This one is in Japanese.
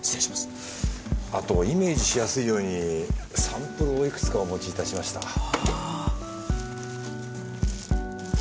あとイメージしやすいようにサンプルをいくつかお持ちいたしました。